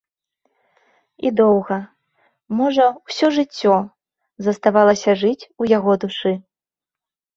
І доўга, можа, усё жыццё, заставалася жыць у яго душы.